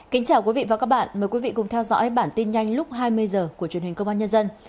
kính chào quý vị và các bạn mời quý vị cùng theo dõi bản tin nhanh lúc hai mươi h của truyền hình công an nhân dân